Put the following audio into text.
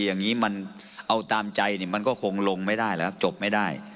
อย่างนี้มันเอาตามใจมันก็คงลงไม่ได้แล้วครับจบไม่ได้